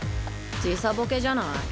時差ボケじゃない？